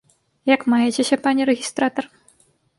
Як маецеся, пане рэгістратар?